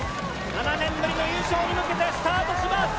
７年ぶりの優勝に向けてスタートします！